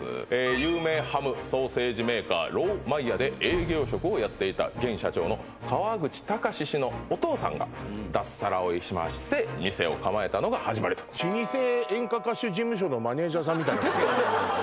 有名ハム・ソーセージメーカーローマイヤで営業職をやっていた現社長の河口貴氏のお父さんが脱サラをしまして店を構えたのが始まりとさんみたいな感じよね